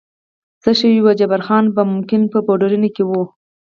څه شوي وي، جبار خان به ممکن په پورډینون کې و.